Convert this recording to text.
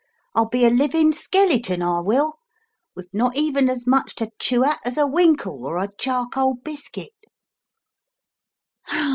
I'll be a living skeleton, I will, with not even as much to chew at as a winkle or a charcoal biscuit.